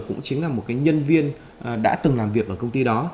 cũng chính là một nhân viên đã từng làm việc ở công ty đó